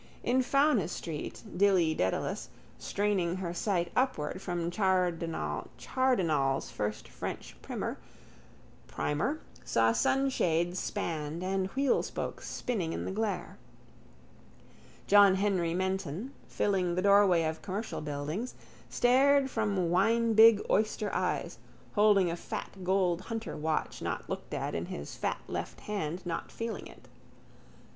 In Fownes's street Dilly Dedalus, straining her sight upward from Chardenal's first French primer, saw sunshades spanned and wheelspokes spinning in the glare. John Henry Menton, filling the doorway of Commercial Buildings, stared from winebig oyster eyes, holding a fat gold hunter watch not looked at in his fat left hand not feeling it.